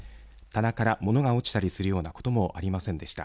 棚から物が落ちたりするようなこともありませんでした。